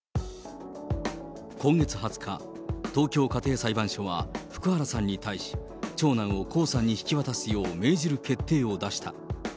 今月２０日、東京家庭裁判所は福原さんに対し、長男を江さんに引き渡すよう命じる決定を出した。